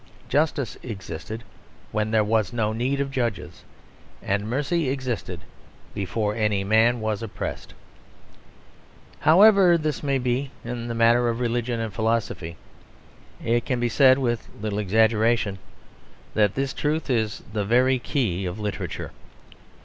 Justice existed when there was no need of judges, and mercy existed before any man was oppressed. However this may be in the matter of religion and philosophy, it can be said with little exaggeration that this truth is the very key of literature.